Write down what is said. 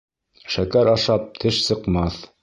Шәкәр ашап теш сыҡмаҫ.